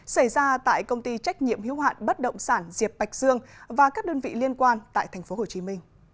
xảy ra tại công ty trách nhiệm hiếu hạn bất động sản diệp bạch dương và các đơn vị liên quan tại tp hcm